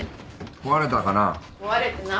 壊れてない。